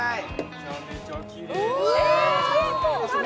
めちゃめちゃきれい。